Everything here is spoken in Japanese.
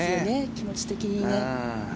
気持ち的に。